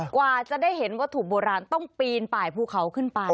กว่าจะได้เห็นวัตถุโบราณต้องปีนป่ายภูเขาขึ้นไป